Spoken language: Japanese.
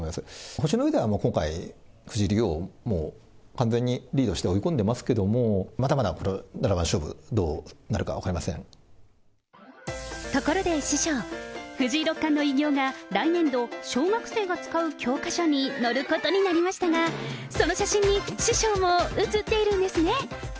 星の上では藤井竜王も完全にリードして追い込んでいますけれども、まだまだこの七番勝負、ところで師匠、藤井六冠の偉業が、来年度、小学生が使う教科書に載ることになりましたが、その写真に師匠も写っているんですね。